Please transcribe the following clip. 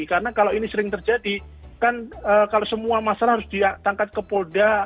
karena kalau ini sering terjadi kan kalau semua masalah harus ditangkat ke polda